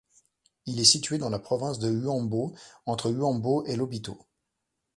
Il est situé dans la province de Huambo, entre Huambo et Lobito.